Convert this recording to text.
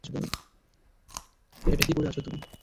এটা কী পরে আছো তুমি?